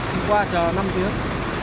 hôm qua chờ năm tiếng